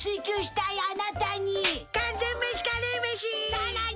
さらに！